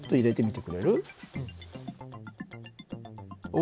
お！